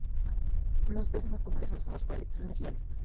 Los plasmas más comunes son los formados por electrones e iones.